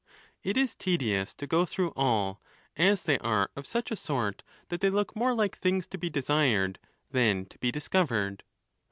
217 is tedious to go thi ough all, as they are of such a sort that they look more like things to be desired than to be dis covered.